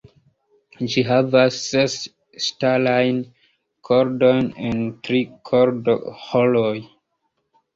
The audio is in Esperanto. Ĝi havas ses ŝtalajn kordojn en tri kordoĥoroj.